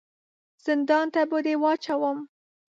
زندان ته به دي واچوم !